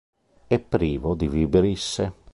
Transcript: È privo di vibrisse.